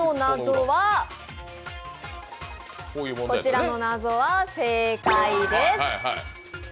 こちらの謎は、正解です。